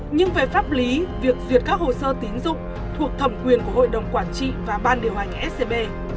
nhưng về pháp lý việc duyệt các hồ sơ tín dụng thuộc thẩm quyền của hội đồng quản trị và ban điều hành scb